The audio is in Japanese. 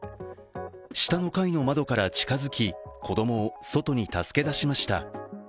下の階の窓から近づき子供を外に助け出しました。